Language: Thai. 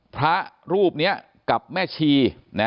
พระรูปนี้กับแม่ชี